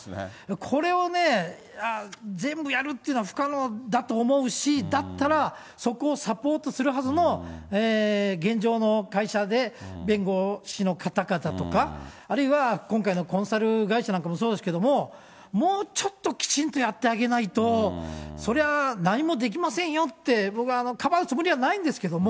これをね、全部やるっていうのは、不可能だと思うし、だったらそこをサポートするはずの現状の会社で弁護士の方々とか、あるいは今回のコンサル会社なんかもそうですけど、もうちょっときちんとやってあげないと、そりゃあ何もできませんよって、僕はかばうつもりはないんですけど。